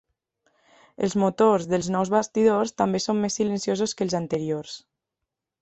Els motors dels nous bastidors també són més silenciosos que els anteriors.